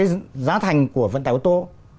và nó sẽ tính vào giá thành của vận tải ô tô